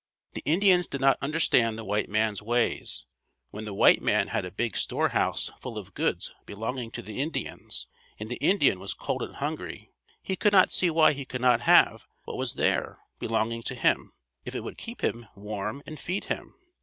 The Indians did not understand the white man's ways. When the white man had a big storehouse full of goods belonging to the Indians and the Indian was cold and hungry, he could not see why he could not have what was there, belonging to him, if it would keep him warm and feed him.